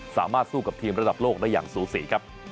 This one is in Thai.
สามารถสู้กับทีมระดับโลกได้อย่างสูสีครับ